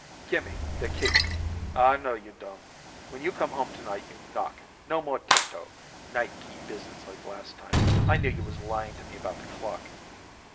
"Gimme the key." "Aw, no, you don't. When you come home tonight you knock; no more tiptoe, night key business like last time. I knew you was lying to me about the clock."